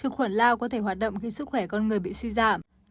khử khuẩn lao có thể hoạt động khi sức khỏe con người bị suy giảm